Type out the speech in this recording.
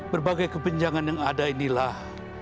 berbagai kebenjangan yang ada inilah